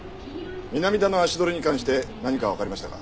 南田の足取りに関して何かわかりましたか？